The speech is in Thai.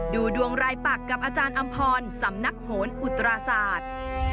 ดูดวงรายปักกับอาจารย์อำพรสำนักโหนอุตราศาสตร์